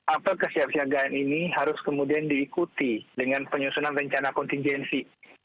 apel kesiap siagaan ini harus kemudian diikuti dengan penyusunan rencana kontingensi